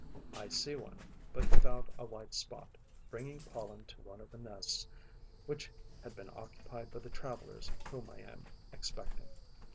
I see one, but without a white spot, bringing pollen to one of the nests which had been occupied by the travellers whom I am expecting.